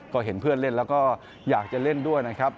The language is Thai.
ก็เห็นเพื่อนเล่นแล้วก็อยากจะเล่นด้วยนะครับ